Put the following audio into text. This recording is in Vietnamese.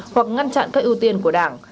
hoặc ngăn chặn các ưu tiên của đảng